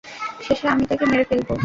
শেষে আমি তাকে মেরে ফেলব।